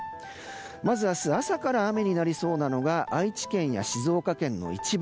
まず明日朝から雨になりそうなのが愛知県や静岡県の一部。